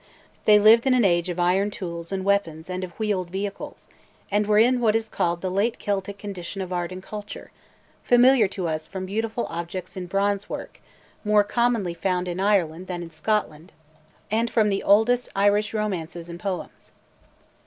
They lived in an age of iron tools and weapons and of wheeled vehicles; and were in what is called the Late Celtic condition of art and culture, familiar to us from beautiful objects in bronze work, more commonly found in Ireland than in Scotland, and from the oldest Irish romances and poems.